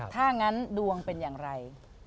ถ้างั้นดวงเป็นอย่างไร